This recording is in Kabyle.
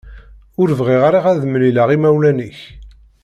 Ur bɣiɣ ara ad mlileɣ imawlan-ik.